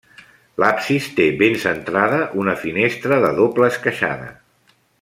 L'absis té, ben centrada, una finestra de doble esqueixada.